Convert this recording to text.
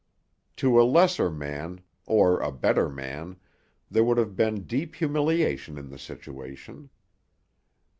To a lesser man—or a better man—there would have been deep humiliation in the situation.